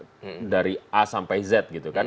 kerjanya juga dari a sampai z gitu kan